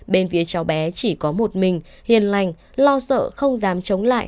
bên phía cháu bé chỉ có một mình hiền lành lo sợ không dám chống lại